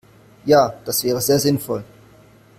Ja, das wäre sehr sinnvoll.